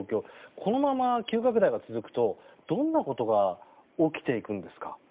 このまま急拡大が続くとどんなことが起きていくんですか。